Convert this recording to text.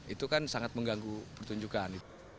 itu kan sangat mengganggu pertunjukan